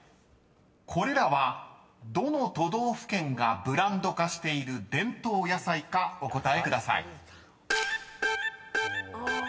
［これらはどの都道府県がブランド化している伝統野菜かお答えください］